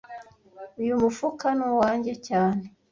Uyu mufuka ni uwanjye cyane